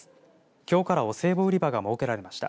きょうから、お歳暮売り場が設けられました。